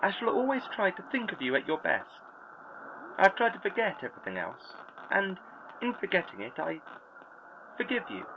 I shall always try to think of you at your best; I have tried to forget everything else, and in forgetting it I forgive you.